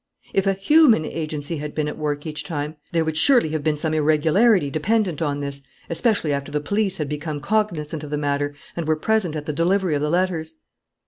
If a human agency had been at work each time, there would surely have been some irregularity dependent on this especially after the police had become cognizant of the matter and were present at the delivery of the letters.